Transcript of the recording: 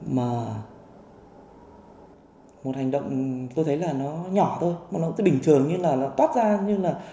mà một hành động tôi thấy là nó nhỏ thôi nó cũng tự bình thường như là nó tót ra như là